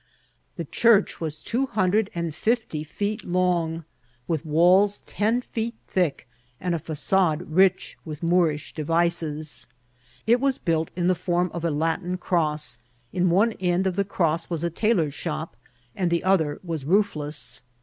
The church was two hundred and fifty feet long, with walls ten feet thick, and a facade rich with Moorish devices. It was built in the form of a Latin cross. In one end of the cross was a tailor's shop, and the other was roof less.